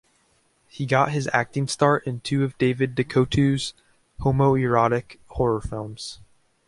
He got his acting start in two of David DeCoteau's homoerotic horror films.